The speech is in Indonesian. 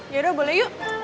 yaudah boleh yuk